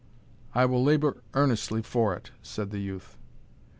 "I will labour earnestly for it," said the youth.